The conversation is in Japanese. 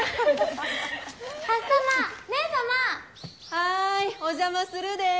はいお邪魔するでぇ！